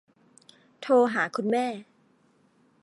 โทรหาคุณแม่